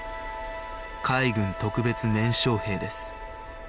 海軍特別年少兵です